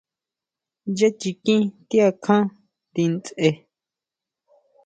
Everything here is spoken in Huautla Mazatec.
Yá chiquin ti akján ti ndsje.